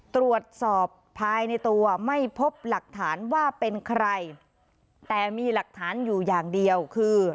ตรวจสอบภายในตัวไม่พบหลักฐานว่าเป็นใครแต่มีหลักฐานอยู่อย่างเดียวคือ